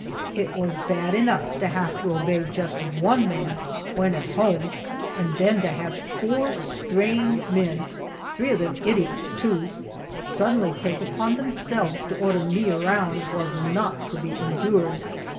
It was bad enough to have to obey just one man, when at home, and then to have four strange men three of them idiots, too suddenly take upon themselves to order me around was not to be endured.